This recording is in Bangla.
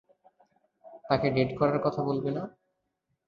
তাকে ডেট করার কথা বলবে না?